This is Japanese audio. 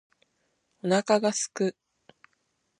お腹が空く